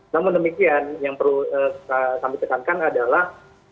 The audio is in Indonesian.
namun demikian yang perlu kami tekankan adalah